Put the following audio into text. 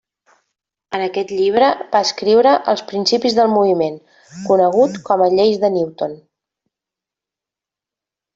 En aquest llibre va escriure els principis del moviment, conegut com a lleis de Newton.